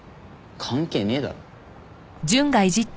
関係ねえだろ。